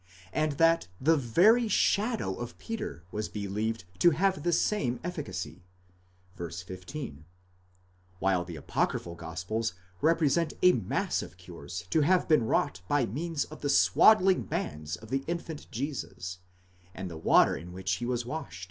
and that the very shadow of Peter was believed to have the same efficacy (v. 15); while the apocryphal gospels represent a mass of cures to have been wrought by means of the swaddling bands of the infant Jesus, and the water in which he was washed.